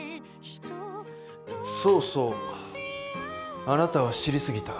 そうそうあなたは知りすぎた。